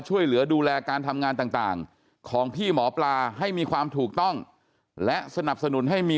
ช่วยเหลือดูแลการทำงานต่างของพี่หมอปลาให้มีความถูกต้องและสนับสนุนให้มี